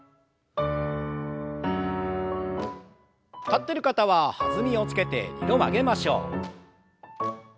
立ってる方は弾みをつけて２度曲げましょう。